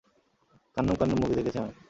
Kannum Kannum movie দেখেছি আমি।